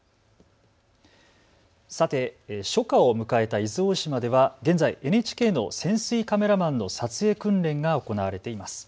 さて、初夏を迎えた伊豆大島では現在、ＮＨＫの潜水カメラマンの撮影訓練が行われています。